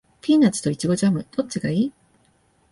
ピーナッツとイチゴジャム、どっちがいい？